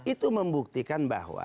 itu membuktikan bahwa